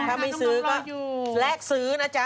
ถ้าไม่ซื้อก็แลกซื้อนะจ๊ะ